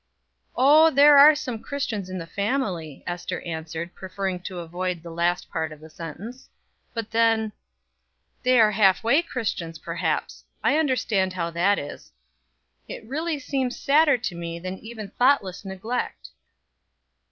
"Oh, there are some Christians in the family," Ester answered, preferring to avoid the last part of the sentence; "but then " "They are half way Christians, perhaps. I understand how that is; it really seems sadder to me than even thoughtless neglect."